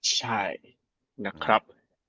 ใช่นะครับ